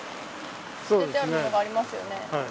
捨ててあるものがありますよね。